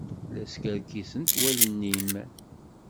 La skerkisent wallen-im.